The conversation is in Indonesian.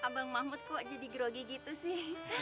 abang mahmud kok jadi grogi gitu sih